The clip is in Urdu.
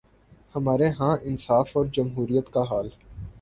ہمارے ہاں انصاف اور جمہوریت کا حال۔